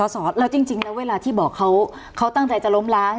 สอดแล้วจริงนะเวลาที่บอกเขาเขาตั้งใจจะล้มหลัง